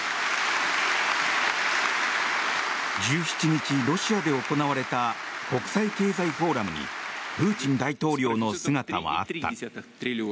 １７日、ロシアで行われた国際経済フォーラムにプーチン大統領の姿はあった。